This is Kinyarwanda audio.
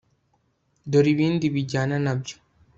dore ibindi bijyana na byo